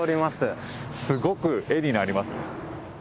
すごく絵になりますね。